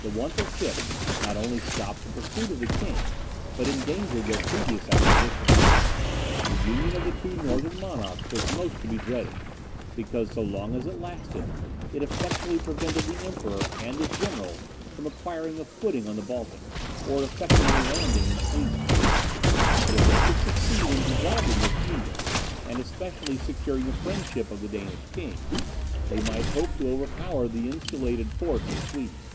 The want of ships not only stopped the pursuit of the king, but endangered their previous acquisitions. The union of the two northern monarchs was most to be dreaded, because, so long as it lasted, it effectually prevented the Emperor and his general from acquiring a footing on the Baltic, or effecting a landing in Sweden. But if they could succeed in dissolving this union, and especially securing the friendship of the Danish king, they might hope to overpower the insulated force of Sweden.